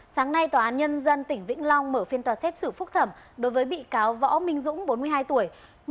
sáng nay tòa án nhân dân tỉnh vĩnh long mở phiên tòa xét xử phúc thẩm đối với bị cáo võ minh dũng bốn mươi hai tuổi